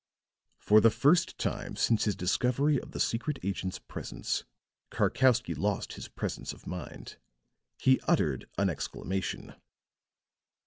For the first time since his discovery of the secret agent's presence, Karkowsky lost his presence of mind. He uttered an exclamation.